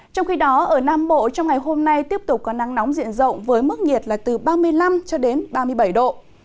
trong khi đó ở nam bộ trong ngày hôm nay tiếp tục có nắng nóng diện rộng với mức nhiệt là từ ba mươi năm ba mươi bảy độ